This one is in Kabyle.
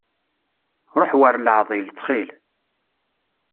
Ruḥ war leεḍil, ttxil.